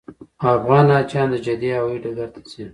افغان حاجیان د جدې هوایي ډګر ته ځي.